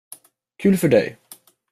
Kul för dig.